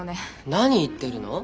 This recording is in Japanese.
何言ってるの？